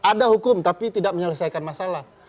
ada hukum tapi tidak menyelesaikan masalah